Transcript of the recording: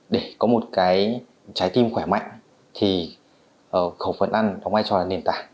để có một trái tim khỏe mạnh thì khẩu phần ăn đóng vai cho là nền tảng